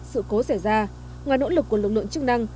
sự cố xảy ra ngoài nỗ lực của lực lượng chức năng